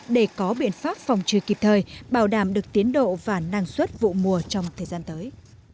để có biện pháp phòng trừ kịp thời bảo đảm được tiến độ và năng suất vụ mùa trong thời gian tới